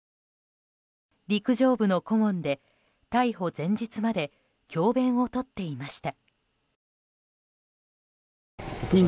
陸上部の顧問で、逮捕前日まで教鞭をとっていました。